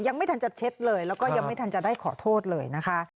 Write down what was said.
ยังไม่ทันจะเช็ดเลยแล้วก็ยังไม่ทันจะได้ขอโทษเลยนะคะ